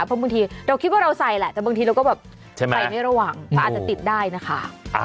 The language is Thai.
เพราะบางทีเราคิดว่าเราใส่แหละแต่บางทีเราก็แบบใส่ไม่ระหว่างก็อาจจะติดได้นะคะ